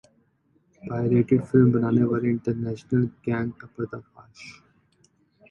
pirated film बनाने वाले international gang का पर्दाफाश